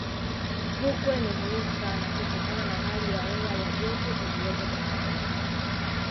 fukwe ni muhimu sana kutokana na hali ya hewa ya joto iliyopo tanzania